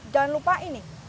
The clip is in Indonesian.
jangan lupa ini